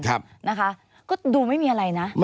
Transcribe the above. ก็ดูไม่มีอะไรนะ